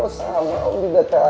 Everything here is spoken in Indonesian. oh sama om juga tahanin sama jerry